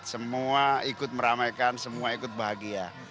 semua ikut meramaikan semua ikut bahagia